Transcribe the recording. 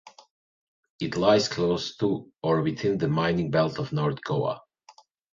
It lies close to or within the mining belt of North Goa.